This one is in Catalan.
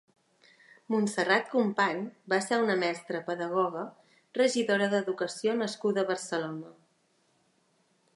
Montserrat Company va ser una mestra, pedagoga, regidora d'educació nascuda a Barcelona.